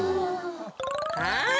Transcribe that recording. はい。